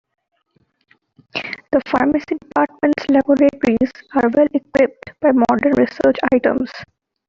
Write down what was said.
The pharmacy department's laboratories are well equipped by modern research items.